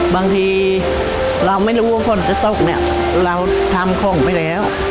บางทีเราไม่รู้ว่าฝนจะตกเนี่ยเราทำของไปแล้ว